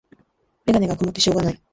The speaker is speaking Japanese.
メガネがくもってしょうがない